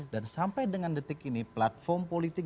sampai dengan detik ini platform politik